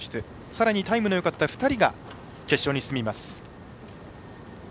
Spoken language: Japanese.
さらにタイムのよかった２人が決勝に進みます。